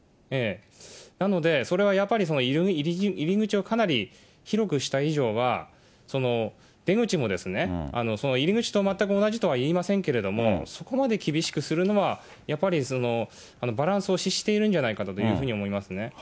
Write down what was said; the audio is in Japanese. なので、それはやっぱり、入り口をかなり広くした以上は、出口も、入り口と全く同じとは言いませんけれども、そこまで厳しくするのは、やっぱりバランスを失しているんじゃないかと思いますね。